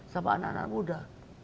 sama anak anak muda